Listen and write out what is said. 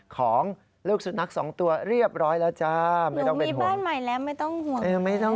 ของลูกสุนัขสองตัวเรียบร้อยแล้วจ้า